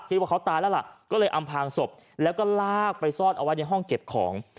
ว่าเขาตายแล้วล่ะก็เลยอำพางศพแล้วก็ลากไปซ่อนเอาไว้ในห้องเก็บของ